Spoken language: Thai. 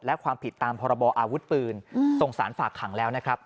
และความผิดตามพรบออาวุธปืนส่งสารฝากขังแล้วนะครับ